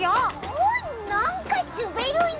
うんなんかすべるやつ！